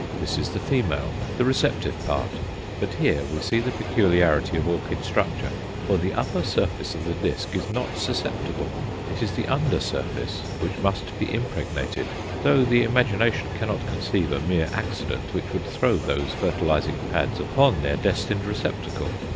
This is the female, the receptive part; but here we see the peculiarity of orchid structure. For the upper surface of the disc is not susceptible; it is the under surface which must be impregnated, though the imagination cannot conceive a mere accident which would throw those fertilizing pads upon their destined receptacle.